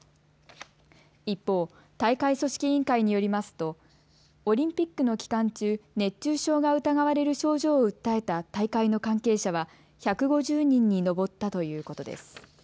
一方、大会組織委員会によりますとオリンピックの期間中、熱中症が疑われる症状を訴えた大会の関係者は１５０人に上ったということです。